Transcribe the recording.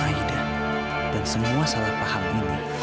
aida dan semua salah paham ini